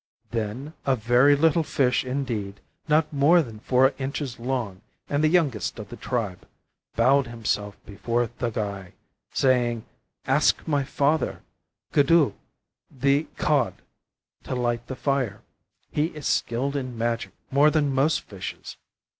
Then a very little fish indeed, not more than four inches long and the youngest of the tribe, bowed himself before Thuggai, saying, 'Ask my father, Guddhu the cod, to light the fire. He is skilled in magic more than most fishes.